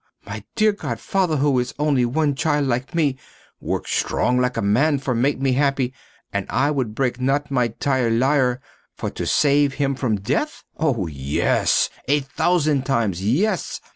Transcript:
My dear godfather who is only one child like me, work strong like a man for make me happy and I would break not my tire lire for to save him from the death? Oh yes, a thousand times yes!